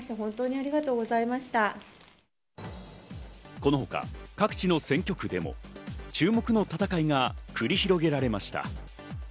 このほか、各地の選挙区でも注目の戦いが繰り広げられました。